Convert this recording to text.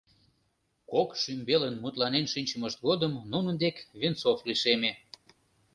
Кок шӱмбелын мутланен шинчымышт годым нунын дек Венцов лишеме.